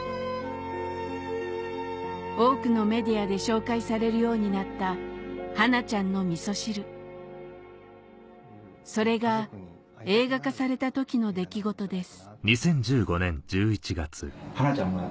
多くのメディアで紹介されるようになったはなちゃんのみそ汁それが映画化された時の出来事です・